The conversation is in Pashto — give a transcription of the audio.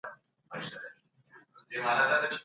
بارکزیو او پلویانو شاه شجاع ونیوه.